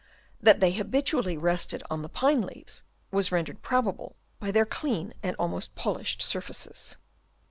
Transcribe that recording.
That they habitually rested on the pine leaves, was rendered probable by their clean and almost polished surfaces.